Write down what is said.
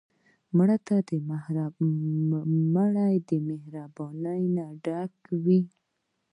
مړه د مهربانۍ نه ډکه وه